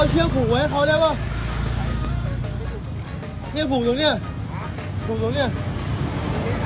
โหใครใครรู้อ่ะไว้เอ้ย